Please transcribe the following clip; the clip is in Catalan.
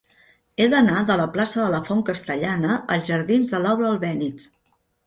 He d'anar de la plaça de la Font Castellana als jardins de Laura Albéniz.